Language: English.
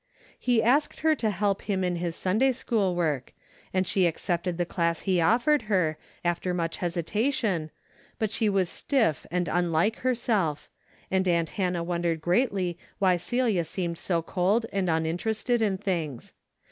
He asked her to help him in his Sunday school work, and she accepted the class he offered her, after much hesitation, but she was stiff and unlike herself, and aunt Han nah wondered greatly why Celia seemed so cold and uninterested in things.